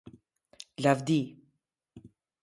Lavdi!